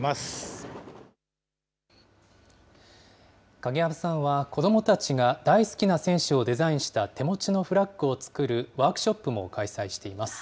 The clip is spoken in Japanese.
影山さんは子どもたちが大好きな選手をデザインした手持ちのフラッグを作るワークショップも開催しています。